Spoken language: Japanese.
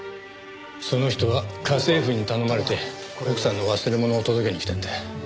その人は家政婦に頼まれて奥さんの忘れ物を届けに来たんだ。